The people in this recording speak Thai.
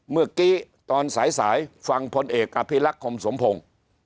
เมื่อกี้ตอนสายฟังพลเอกอภิรักษ์คมสมพงศ์